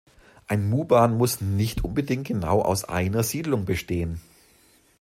Ein "Muban" muss nicht unbedingt genau aus einer Siedlung bestehen.